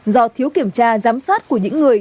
do thiếu kiểm tra giám sát của những người